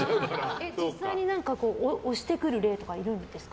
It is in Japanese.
実際に押してくる霊とかいるんですか。